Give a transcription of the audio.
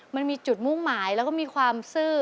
มันมีจุดมุ่งหมายแล้วก็มีความซื่อ